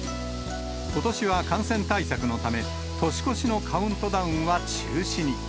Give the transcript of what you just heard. ことしは感染対策のため、年越しのカウントダウンは中止に。